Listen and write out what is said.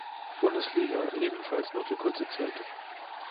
Bundesliga ebenfalls nur für kurze Zeit.